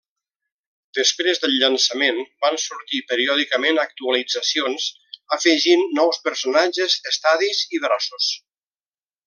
Després del llançament van sortir periòdicament actualitzacions afegint nous personatges, estadis i braços.